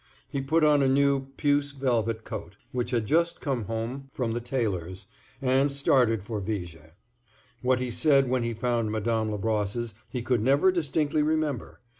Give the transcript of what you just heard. He put on a new peuce velvet coat, which had just come home from the tailor's, and started for Viger. What he said when he found Madame Labrosse's he could never distinctly remember.